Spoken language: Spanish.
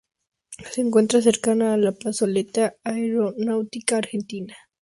Se encuentra cercana la Plazoleta Aeronáutica Argentina.